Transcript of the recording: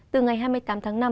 từ ngày hai mươi tám tháng năm